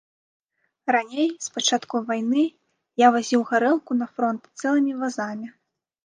Раней, з пачатку вайны, я вазіў гарэлку на фронт цэлымі вазамі.